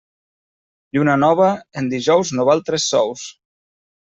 Lluna nova en dijous no val tres sous.